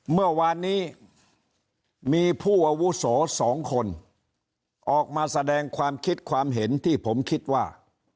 เมื่อวานนี้มีผู้อาวุโส๒คนออกมาแสดงความคิดความเห็นที่ผมคิดว่า